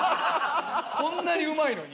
こんなにうまいのに？